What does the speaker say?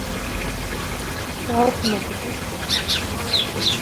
Xa oquimantiquisqueh.